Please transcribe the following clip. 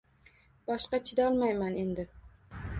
Boshqa chidolmayman endi –